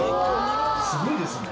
すごいですね。